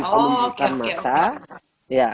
penemukan massa ya